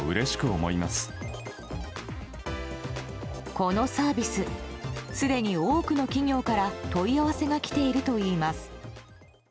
このサービスすでに多くの企業から問い合わせが来ているといいます。